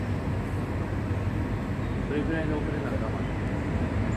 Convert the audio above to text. それぐらいの遅れなら我慢できる